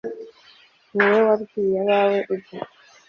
ni wowe wabwiye abawe ujya